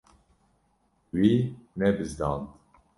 Wî nebizdand.